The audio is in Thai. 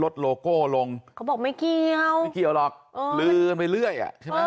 โลโก้ลงเขาบอกไม่เกี่ยวไม่เกี่ยวหรอกเออลือกันไปเรื่อยอ่ะใช่ไหม